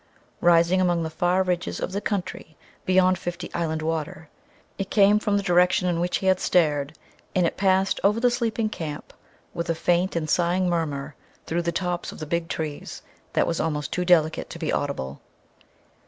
Rising among the far ridges of the country beyond Fifty Island Water, it came from the direction in which he had stared, and it passed over the sleeping camp with a faint and sighing murmur through the tops of the big trees that was almost too delicate to be audible.